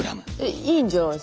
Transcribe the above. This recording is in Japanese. いいんじゃないですか？